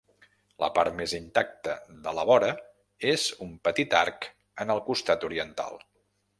La part més intacta de la vora és un petit arc en el costat oriental.